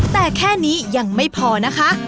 แต่แค่นี้ยังไม่พอนะคะ